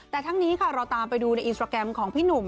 แต่ทั้งนี้ค่ะเราตามไปดูในอินสตราแกรมของพี่หนุ่ม